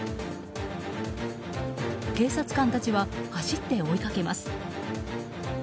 警察官たちは走って追いかけます。